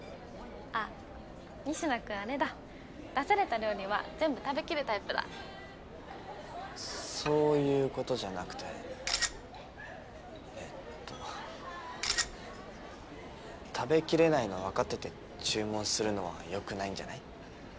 あっ仁科君出された料理は全部食べきるタイプだそういうことじゃなくてえっと食べきれないのわかってて注文するのはよくないんじゃない？